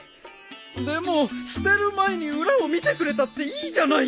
でも捨てる前に裏を見てくれたっていいじゃないですか。